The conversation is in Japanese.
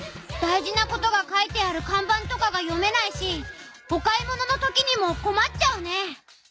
大事なことが書いてあるかんばんとかが読めないしお買い物のときにもこまっちゃうね。